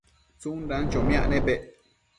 tsundan chomiac nepec